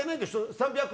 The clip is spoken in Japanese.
３００